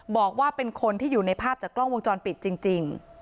บอกว่าเป็นคนที่อยู่ในภาพจากกล้องวงจรปิดจริง